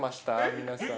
皆さん。